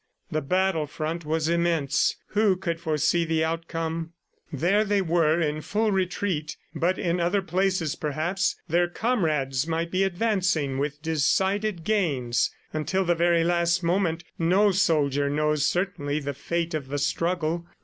The battle front was immense; who could foresee the outcome? ... There they were in full retreat, but in other places, perhaps, their comrades might be advancing with decided gains. Until the very last moment, no soldier knows certainly the fate of the struggle.